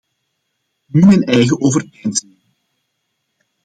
Nu mijn eigen overpeinzingen.